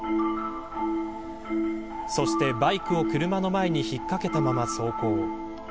そしてバイクを車の前に引っ掛けたまま走行。